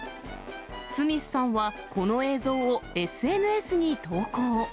スミスさんはこの映像をＳＮＳに投稿。